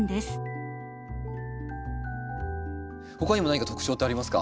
他にも何か特徴ってありますか？